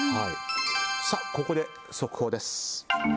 さあここで速報です。